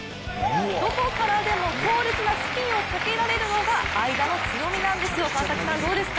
どこからでも強烈なスピンをかけられるのが英田の強みなんですよ、どうですか？